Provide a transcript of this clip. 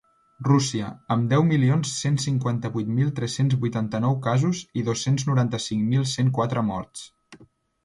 Rússia, amb deu milions cent cinquanta-vuit mil tres-cents vuitanta-nou casos i dos-cents noranta-cinc mil cent quatre morts.